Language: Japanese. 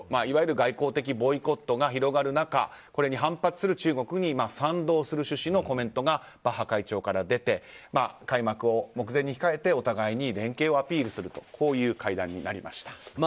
いわゆる外交的ボイコットが広がる中これに反発する中国に賛同する趣旨のコメントがバッハ会長から出て開幕を目前に控えてお互いに連携をアピールするという会談になりました。